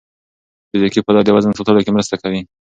فزیکي فعالیت د وزن ساتلو کې مرسته کوي.